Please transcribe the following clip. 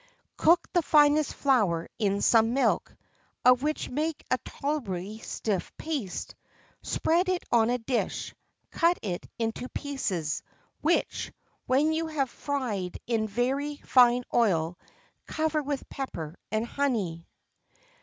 [XXIV 28] "Cook the finest flour in some milk, of which make a tolerably stiff paste; spread it on a dish; cut it in pieces, which, when you have fried in very fine oil, cover with pepper and honey."